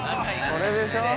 ◆これでしょう。